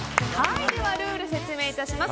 ルールを説明いたします。